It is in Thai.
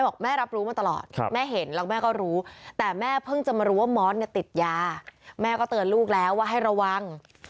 ก็รู้แต่แม่เพิ่งจะมารู้ว่ามันติดยาแม่ก็เตือนลูกแล้วว่าให้ระวัง